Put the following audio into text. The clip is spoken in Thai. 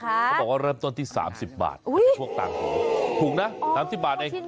เขาบอกว่าเริ่มต้นที่๓๐บาทถูกต่างถูกถูกนะ๓๐บาทเอง